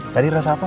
tadi rasa apa